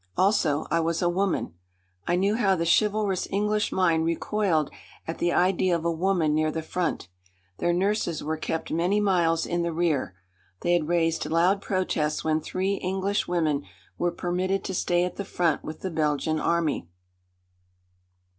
Also I was a woman. I knew how the chivalrous English mind recoiled at the idea of a woman near the front. Their nurses were kept many miles in the rear. They had raised loud protests when three English women were permitted to stay at the front with the Belgian Army.